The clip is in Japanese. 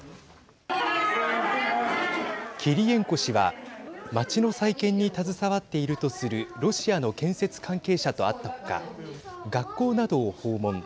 キリエンコ氏は町の再建に携わっているとするロシアの建設関係者と会ったほか学校などを訪問。